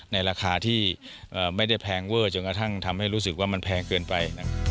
ในราคาที่ไม่ได้แพงเวอร์จนกระทั่งทำให้รู้สึกว่ามันแพงเกินไป